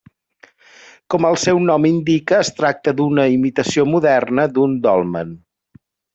Com el seu nom indica, es tracta d'una imitació moderna d'un dolmen.